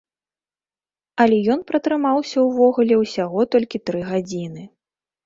Але ён пратрымаўся ўвогуле ўсяго толькі тры гадзіны.